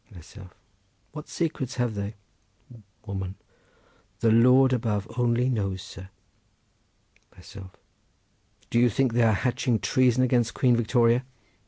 Myself.—What secrets have they? Woman.—The Lord above only knows, sir! Myself.—Do you think they are hatching treason against Queen Victoria?